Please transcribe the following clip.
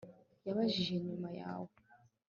Yabajije nyuma yawe